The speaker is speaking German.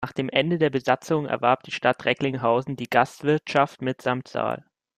Nach dem Ende der Besetzung erwarb die Stadt Recklinghausen die Gastwirtschaft mitsamt Saal.